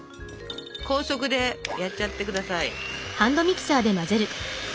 高速でやっちゃってください。